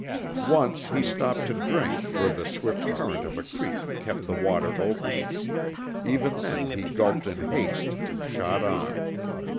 Once he stopped to drink where the swift current of a creek kept the water open. Even then he gulped in haste and shot on.